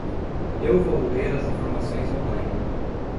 Eu vou ler as informações online.